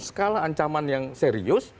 skala ancaman yang serius